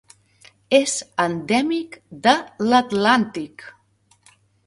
És endèmic de l'Atlàntic.